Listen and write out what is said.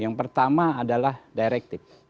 yang pertama adalah directive